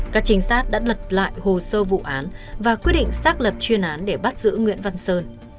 các trinh sát đã lật lại hồ sơ vụ án và quyết định xác lập chuyên án để bắt giữ nguyễn văn sơn